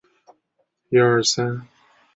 详细内容和来源请阅读分别的介绍文章。